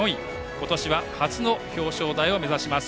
今年は初の表彰台を目指します。